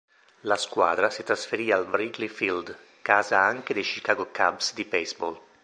La squadra si trasferì al Wrigley Field, casa anche dei Chicago Cubs di baseball.